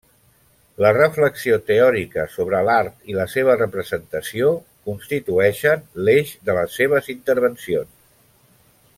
La reflexió teòrica sobre l'art i la seva representació constitueixen l'eix de les seves intervencions.